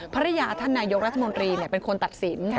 ภรรยาท่านนายกรัฐมนตรีเป็นคนตัดสิน